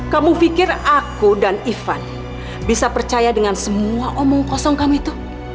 kamu pikir aku dan ivan bisa percaya dengan semua omong kosong kamu itu